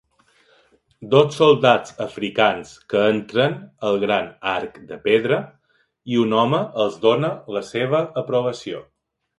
Dos soldats africans que entren el gran arc de pedra i un home els dóna la seva aprovació